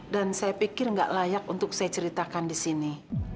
dan saya pikir tidak layak untuk saya ceritakan di sini